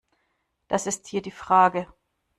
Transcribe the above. Das ist hier die Frage.